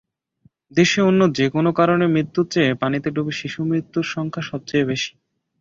দেশে অন্য যেকোনো কারণে মৃত্যুর চেয়ে পানিতে ডুবে শিশুমৃত্যুর সংখ্যা সবচেয়ে বেশি।